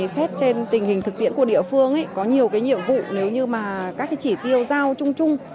xét trên tình hình thực tiễn của địa phương có nhiều nhiệm vụ nếu như mà các chỉ tiêu giao chung chung